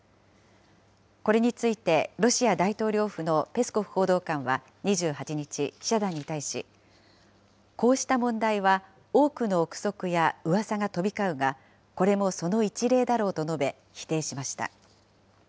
これについてロシア大統領府のペスコフ報道官は２８日、記者団に対し、こうした問題は多くの臆測やうわさが飛び交うが、これもその一例だろうと述べ、否定しました。